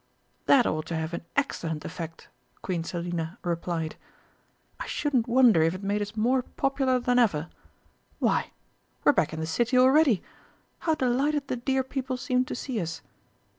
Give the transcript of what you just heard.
"That ought to have an excellent effect," Queen Selina replied. "I shouldn't wonder if it made us more popular than ever.... Why, we're back in the city already!... How delighted the dear people seem to see us!...